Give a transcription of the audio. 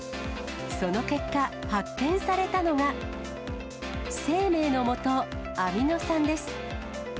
その結果、発見されたのが、生命のもと、アミノ酸です。